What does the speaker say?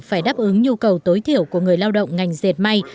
phải đáp ứng nhu cầu tối thiểu của người lao động ngành dệt may